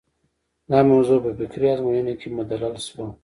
دا موضوع په فکري ازموینو کې مدلل شوه.